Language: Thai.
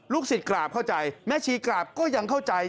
ศิษย์กราบเข้าใจแม่ชีกราบก็ยังเข้าใจ